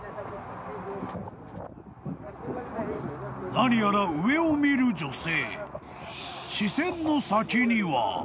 ［何やら上を見る女性］